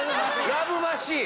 ラブマシン。